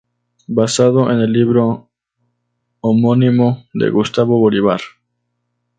Basada en el libro homónimo de Gustavo Bolívar.